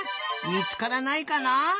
みつからないかな？